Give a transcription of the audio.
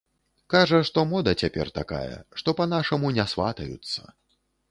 Кажа, што мода цяпер такая, што па-нашаму не сватаюцца.